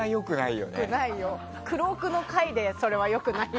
クロークの階でそれは良くない。